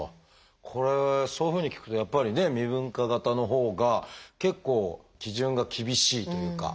これそういうふうに聞くとやっぱりね未分化型のほうが結構基準が厳しいというかということになるってことですね先生。